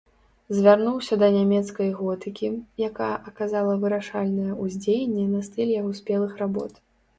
Звярнуўся да нямецкай готыкі, якая аказала вырашальнае ўздзеянне на стыль яго спелых работ.